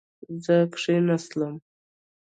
زه کښېناستم